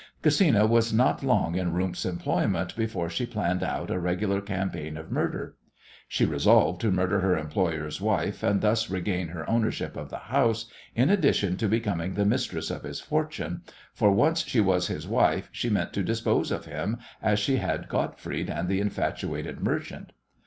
Gesina was not long in Rumf's employment before she planned out a regular campaign of murder. She resolved to murder her employer's wife, and thus regain her ownership of the house, in addition to becoming the mistress of his fortune, for once she was his wife she meant to dispose of him as she had Gottfried and the infatuated merchant.